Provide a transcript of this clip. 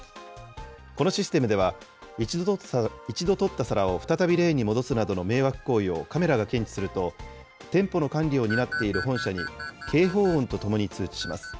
このシステムでは、１度取った皿を再びレーンに戻すなどの迷惑行為をカメラが検知すると、店舗の管理を担っている本社に警報音とともに通知します。